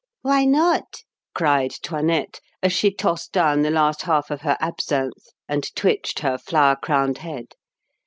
"Why not?" cried Toinette, as she tossed down the last half of her absinthe and twitched her flower crowned head.